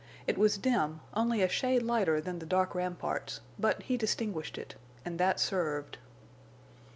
It was dim, only a shade lighter than the dark ramparts, but he distinguished it, and that served.